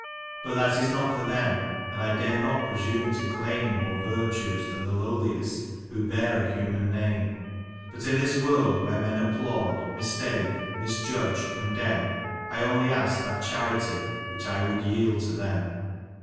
But that is not for them, and I dare not presume to claim More virtues than the lowliest who bear a human name ; But in this world where men applaud, mistake, misjudge, condemn, I only ask that charity which I would yield to them."